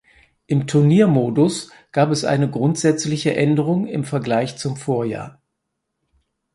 Im Turniermodus gab es eine grundsätzliche Änderung im Vergleich zum Vorjahr.